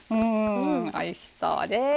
おいしそうです。